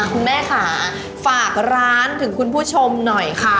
คุณแม่ค่ะฝากร้านถึงคุณผู้ชมหน่อยค่ะ